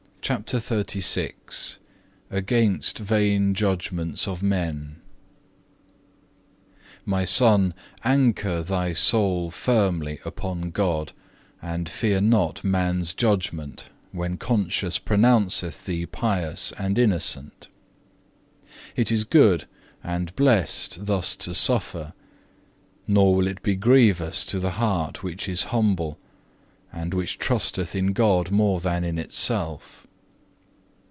15. CHAPTER XXXVI Against vain judgments of men "My Son, anchor thy soul firmly upon God, and fear not man's judgment, when conscience pronounceth thee pious and innocent. It is good and blessed thus to suffer; nor will it be grievous to the heart which is humble, and which trusteth in God more than in itself.